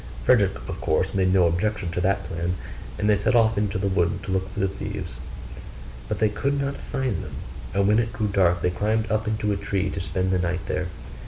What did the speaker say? Frederick of course made no objection to that plan, and they set off into the wood to look for the thieves; but they could not find them: and when it grew dark, they climbed up into a tree to spend the night there.